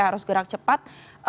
harus gerak cepat